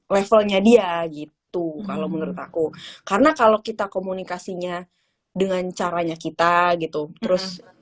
levelnya dia gitu kalau menurut aku karena kalau kita komunikasinya dengan caranya kita gitu terus